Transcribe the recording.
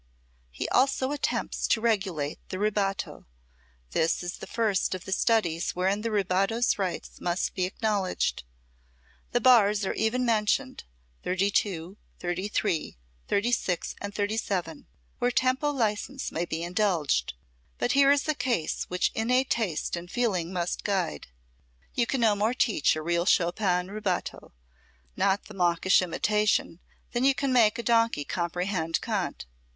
He also attempts to regulate the rubato this is the first of the studies wherein the rubato's rights must be acknowledged. The bars are even mentioned 32, 33, 36 and 37, where tempo license may be indulged. But here is a case which innate taste and feeling must guide. You can no more teach a real Chopin rubato not the mawkish imitation, than you can make a donkey comprehend Kant.